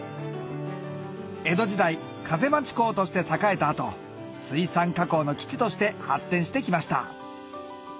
江戸時代風待ち港として栄えた後水産加工の基地として発展してきました